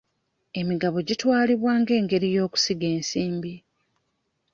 Emigabo gitwalibwa ng'engeri y'okusiga ensimbi.